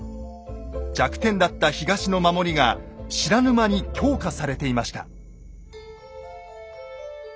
弱点だった東の守りが知らぬ間に強化されていました。